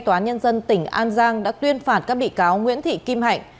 tòa án nhân dân tỉnh an giang đã tuyên phạt các bị cáo nguyễn thị kim hạnh